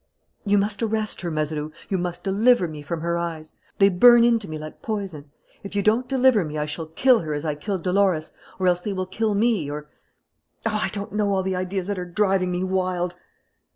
You must arrest her, Mazeroux. You must deliver me from her eyes. They burn into me like poison. If you don't deliver me I shall kill her as I killed Dolores or else they will kill me or Oh, I don't know all the ideas that are driving me wild